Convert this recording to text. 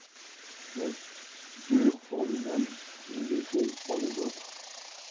Mais, dur pour lui-même, il l’était pour les autres.